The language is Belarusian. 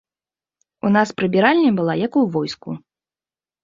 У нас прыбіральня была, як у войску.